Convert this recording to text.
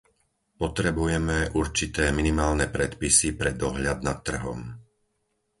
Potrebujeme určité minimálne predpisy pre dohľad nad trhom.